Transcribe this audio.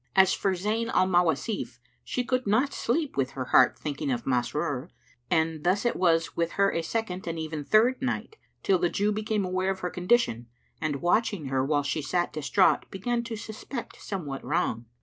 As for Zayn al Mawasif, she could not sleep with her heart thinking of Masrur, and thus it was with her a second and even a third night, till the Jew became aware of her condition and, watching her while she sat distraught, began to suspect somewhat wrong.